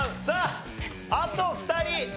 さああと２人。